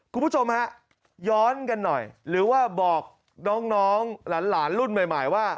คุณผู้ชมฮะย้อนกันหน่อยหรือว่าบอกน้องหลานรุ่นใหม่ว่า